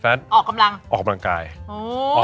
ก็มองหน้าตัวเองในกระจก